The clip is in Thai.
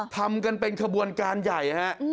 ทำกันเป็นขบวนการใหญ่ฮะ